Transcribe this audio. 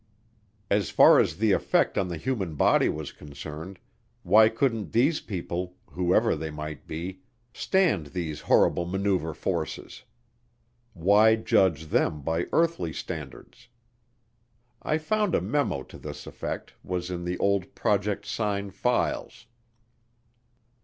As far as the effect on the human body was concerned, why couldn't these people, whoever they might be, stand these horrible maneuver forces? Why judge them by earthly standards? I found a memo to this effect was in the old Project Sign files.